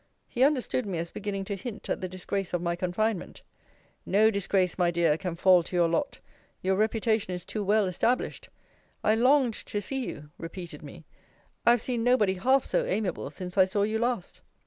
He understood me as beginning to hint at the disgrace of my confinement No disgrace my dear can fall to your lot: your reputation is too well established. I longed to see you, repeated me I have seen nobody half so amiable since I saw you last.